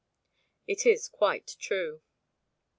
It is quite true.